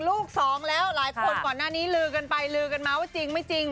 ลูกสองแล้วหลายคนก่อนหน้านี้ลือกันไปลือกันมาว่าจริงไม่จริง